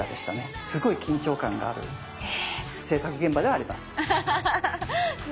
すごい緊張感がある制作現場ではあります。